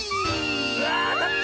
うわあたった！